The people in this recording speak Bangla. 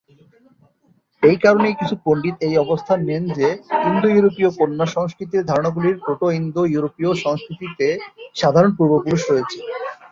এই কারণেই কিছু পণ্ডিত এই অবস্থান নেন যে ইন্দো-ইউরোপীয় কন্যা সংস্কৃতির ধারণাগুলির প্রোটো-ইন্দো-ইউরোপীয় সংস্কৃতিতে সাধারণ পূর্বপুরুষ রয়েছে।